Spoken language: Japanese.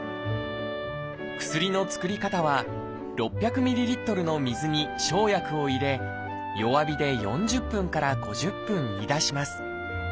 薬の作り方は６００ｍＬの水に生薬を入れ弱火で４０分から５０分煮出します。